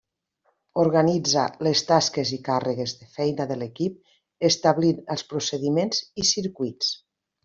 Organitza les tasques i càrregues de feina de l'equip establint els procediments i circuits.